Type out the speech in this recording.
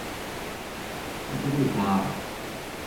Нека буде плава.